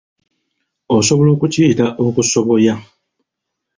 Osobola okukiyita okusoboya.